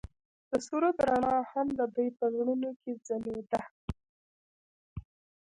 د سرود رڼا هم د دوی په زړونو کې ځلېده.